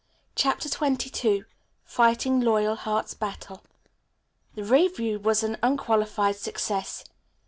CHAPTER XXII FIGHTING LOYALHEART'S BATTLE The revue was an unqualified success.